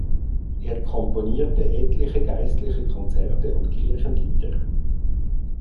Er komponierte etliche Geistliche Konzerte und Kirchenlieder.